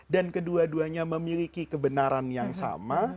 dan kedua duanya memiliki kebenaran yang sama